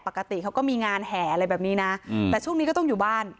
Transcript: ปกติเขาก็มีงานแห่อะไรแบบนี้นะแต่ช่วงนี้ก็ต้องอยู่บ้าน